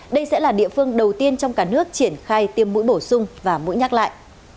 đây sẽ là địa phương đầu tiên trong cả nước triển khai tiêm mũi bổ sung và mũi nhắc lại